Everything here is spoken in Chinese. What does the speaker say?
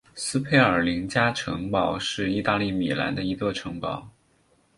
斯佩尔林加城堡是意大利米兰的一座城堡。